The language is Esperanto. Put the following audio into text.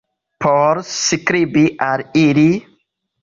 Por skribi al ili?